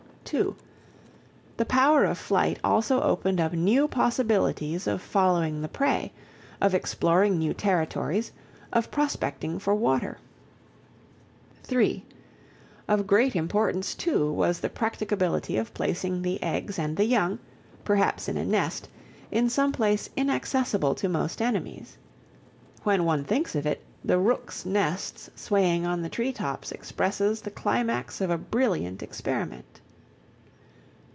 (2) The power of flight also opened up new possibilities of following the prey, of exploring new territories, of prospecting for water. (3) Of great importance too was the practicability of placing the eggs and the young, perhaps in a nest, in some place inaccessible to most enemies. When one thinks of it, the rooks' nests swaying on the tree tops express the climax of a brilliant experiment.